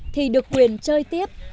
thì được quyền chơi tiếp